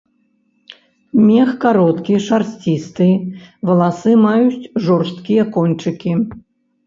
Мех кароткі, шарсцісты, валасы маюць жорсткія кончыкі.